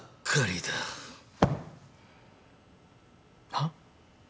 はっ？